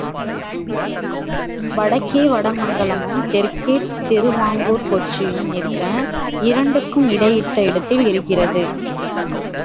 வடக்கே வட மங்கலமும் தெற்கே திருவாங்கூர் கொச்சியும் இருக்க, இரண்டுக்கும் இடையிட்ட இடத்தில் இருக்கிறது.